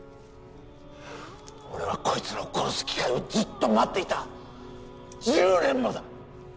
俺はこいつらを殺す機会をずっと待っていた１０年もだ！